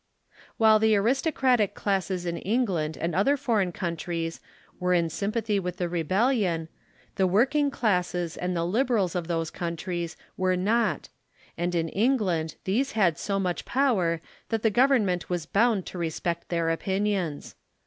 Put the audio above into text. "While the aristocratic classes in England and other for eign countries were in sympathy with the rebellion, the working classes and the liberals of those countries were not; and in England these had so much power that the Government was bound to respect their opinions.